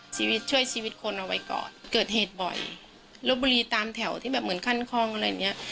ช่วยชีวิตคนเอาไว้ก่อนเกิดเหตุบ่อยลบบุรีตามแถวที่แบบเหมือนขั้นคล่องอะไรอย่างเงี้ย